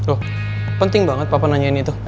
loh penting banget papa nanyain itu